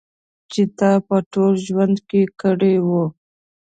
چې تا په ټول ژوند کې کړی و.